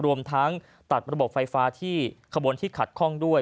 รวมทั้งตัดระบบไฟฟ้าที่ขบวนที่ขัดข้องด้วย